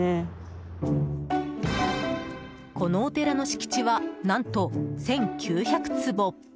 このお寺の敷地は何と１９００坪。